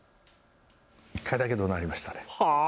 １回だけど、なりましたね、はあ？